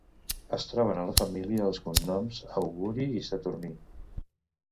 Es troben a la família els cognoms Augurí i Saturní.